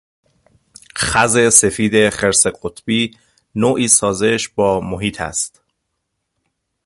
خز سفید خرس قطبی نوعی سازش با محیط است.